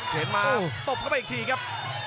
เห็นมาตบเข้าไปอีกทีครับ